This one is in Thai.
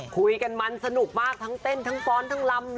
คุยกันมันสนุกมากทั้งเต้นทั้งฟ้อนทั้งลำ